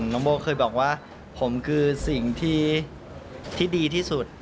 น้องโบเคยบอกว่าผมคือสิ่งที่ดีที่สุด